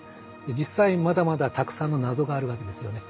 実際まだまだたくさんの謎があるわけですよね。